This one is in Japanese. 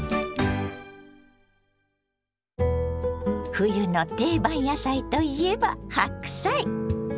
冬の定番野菜といえば白菜！